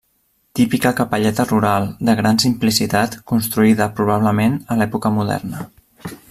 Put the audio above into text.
Típica capelleta rural, de gran simplicitat, construïda probablement a l'època moderna.